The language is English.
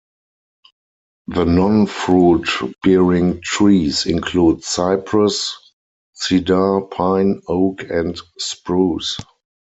The non fruit bearing trees include Cyprus, Cedar, Pine, Oak and spruce.